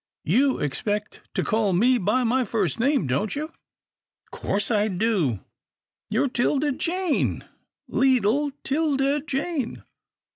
" You expect to call me by my first name, don't you ?"" Course I do — you're 'Tilda Jane, leetle 'Tilda Jane."